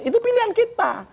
itu pilihan kita